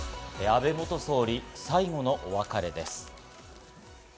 安倍元総理、最後のお別れです。